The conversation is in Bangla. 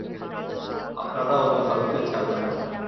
আপনারা ওমর ফারুককে ছাড়বেন না।